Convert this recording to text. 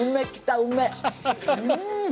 うん！